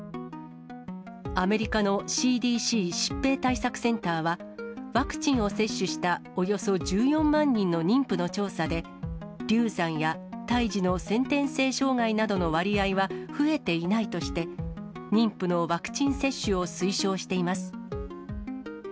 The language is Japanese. アメリカのＣＤＣ・疾病対策センターは、ワクチンを接種したおよそ１４万人の妊婦の調査で、流産や胎児の先天性障害などの割合は増えていないとして、妊婦のワクチン接種を推奨しています。